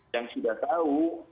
yang sudah tahu